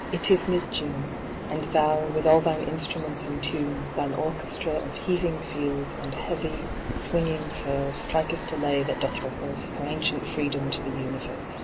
It is mid June, And thou, with all thine instruments in tune, Thine orchestraOf heaving fields, and heavy, swinging fir, Strikest a layThat doth rehearseHer ancient freedom to the universe.